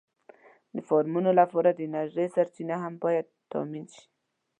د فارمونو لپاره د انرژۍ سرچینه هم باید تأمېن شي.